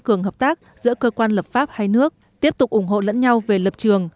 cường hợp tác giữa cơ quan lập pháp hai nước tiếp tục ủng hộ lẫn nhau về lập trường